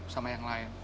sama yang lain